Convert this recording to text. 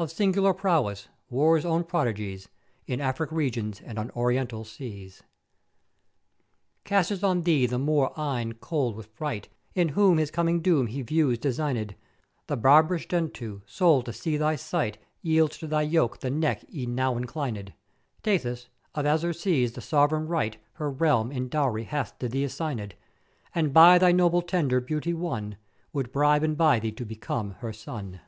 of sing'ular prowess, War's own prodigies, in Africk regions and on Orient seas. Casteth on thee the Moor eyne cold with fright, in whom his coming doom he views designèd: The barb'rous Gentoo, sole to see thy sight yields to thy yoke the neck e'en now inclinèd; Tethys, of azure seas the sovran right, her realm, in dowry hath to thee resignèd; and by thy noble tender beauty won, would bribe and buy thee to become her son.